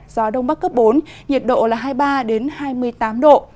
gió đông bắc cấp bốn nhiệt độ là hai mươi ba hai mươi tám độ